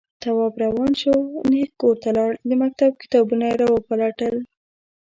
تواب روان شو، نېغ کور ته لاړ، د مکتب کتابونه يې راوپلټل.